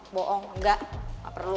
boong enggak gak perlu